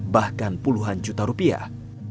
bahkan puluhan juta rupiah